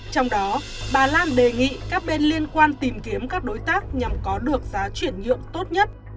trong đó bà lan đề nghị các bên liên quan tìm kiếm các đối tác nhằm có được giá chuyển nhượng tốt nhất